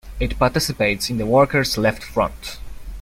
It participates in the Workers' Left Front.